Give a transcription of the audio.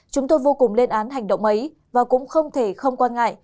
chúng tôi vô cùng lên án hành động ấy và cũng không thể không quan ngại